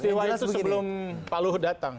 peristiwa itu sebelum pak luh datang